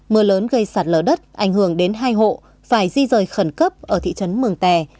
mưa lớn gây sạt lở đất ảnh hưởng đến hai hộ phải di rời khẩn cấp ở thị trấn mường tè